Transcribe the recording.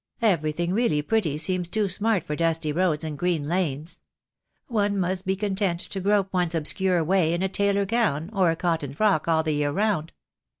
Everything really pretty seems too smart for dusty roads and green lanes. One must be content to grope one's obscure way in a tailor gown or a cotton frock all the year round.